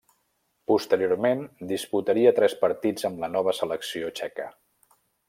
Posteriorment, disputaria tres partits amb la nova selecció txeca.